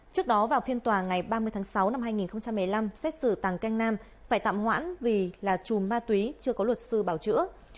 trước đó vào phiên tòa ngày ba mươi tháng sáu năm hai nghìn một mươi năm xét xử tàng canh nam phải tạm hoãn vì là chùm ma túy chưa có luật sư bảo chữa